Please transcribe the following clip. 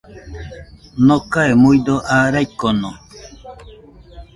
Nokae muido aa raikono.